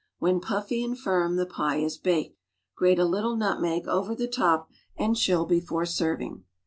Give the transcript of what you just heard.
When puffy and firm the pie is baked. Grate a little nutmeg over the top and chill Ijefore serving.